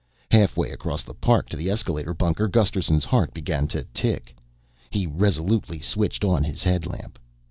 Halfway across the park to the escalator bunker Gusterson's heart began to tick. He resolutely switched on his headlamp.